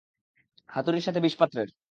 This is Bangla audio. হাতুড়ির সাথে বিষপাত্রের।